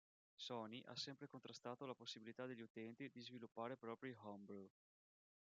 Sony ha sempre contrastato la possibilità degli utenti di sviluppare propri homebrew.